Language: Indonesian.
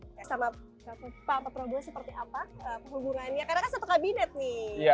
sama pak petrobo seperti apa